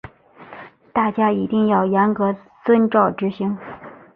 大家一定要严格遵照执行